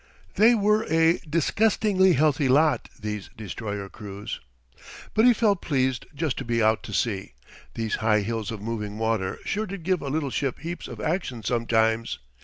They were a disgustingly healthy lot, these destroyer crews. But he felt pleased just to be out to sea. These high hills of moving water sure did give a little ship heaps of action sometimes.